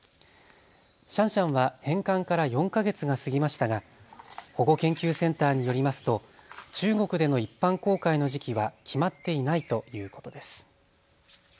シャンシャンは返還から４か月が過ぎましたが保護研究センターによりますと中国での一般公開の時期は決まっていないということです。